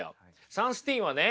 サンスティーンはね